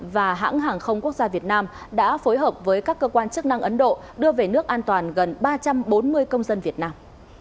và hãng hàng không quốc gia việt nam đã phối hợp với các cơ quan chức năng ấn độ đưa về nước an toàn gần ba trăm bốn mươi công dân việt nam